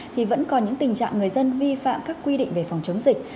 thì vẫn còn những tình trạng người dân vi phạm các quy định về phòng chống dịch